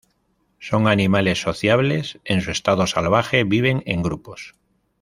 Son animales sociables, en su estado salvaje viven en grupos.